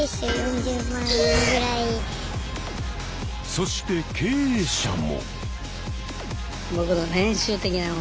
そして経営者も。